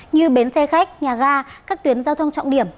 như bến xe khách nhà ga các tuyến giao thông trọng điểm